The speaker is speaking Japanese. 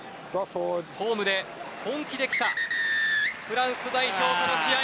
ホームで本気で来た、フランス代表との試合。